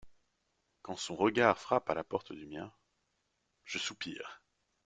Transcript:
quand son regard frappe à la porte du mien … je soupire !